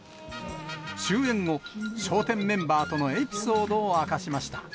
終演後、笑点メンバーとのエピソードを明かしました。